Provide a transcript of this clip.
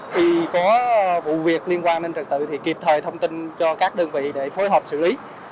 khi có vụ việc liên quan đến trật tự thì kịp thời thông tin cho các đơn vị để phối hợp xử lý